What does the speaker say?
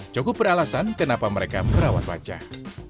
cukup beralasan kenapa mereka merawat wajah